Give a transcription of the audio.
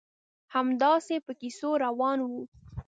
همداسې په کیسو روان وو.